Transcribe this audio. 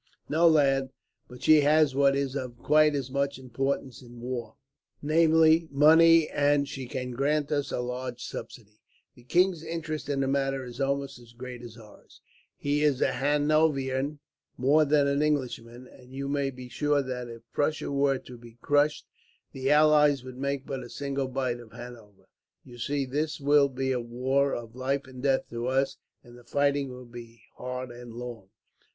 "No, lad, but she has what is of quite as much importance in war namely, money, and she can grant us a large subsidy. The king's interest in the matter is almost as great as ours. He is a Hanoverian more than an Englishman, and you may be sure that, if Prussia were to be crushed, the allies would make but a single bite of Hanover. You see, this will be a war of life and death to us, and the fighting will be hard and long."